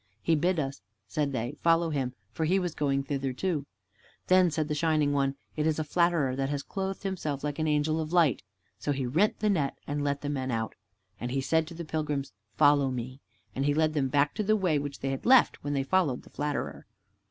"He bid us," said they, "follow him, for he was going thither too." Then said the Shining One, "It is a Flatterer that has clothed himself like an angel of light." So he rent the net and let the men out. And he said to the pilgrims, "Follow me," and he led them back to the way which they had left when they followed the Flatterer.